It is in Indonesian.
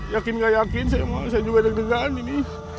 yakin gak yakin saya juga ada kedengaan ini